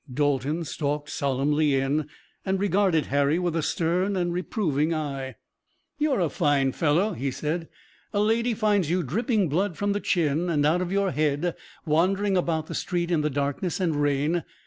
Dalton stalked solemnly in, and regarded Harry with a stern and reproving eye. "You're a fine fellow," he said. "A lady finds you dripping blood from the chin, and out of your head, wandering about the street in the darkness and rain.